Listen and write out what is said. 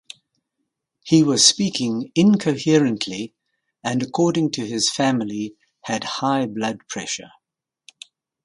He was speaking incoherently and according to his family had high blood pressure.